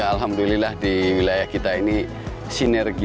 apakah fakta saheb theirs